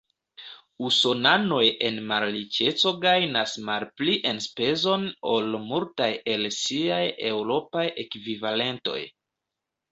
Usonanoj en malriĉeco gajnas malpli enspezon ol multaj el siaj eŭropaj ekvivalentoj.